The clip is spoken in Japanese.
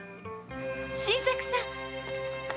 新作さん！